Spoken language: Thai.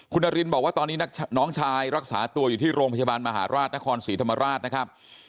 คุณนารินบอกว่าตอนนี้น้องชายรักษาตัวอยู่ที่โรงพยาบาลมหาราชนครศรีธรรมราชนะครับ